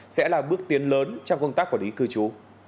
sẽ là bước tiến lớn trong công tác quản lý cư trú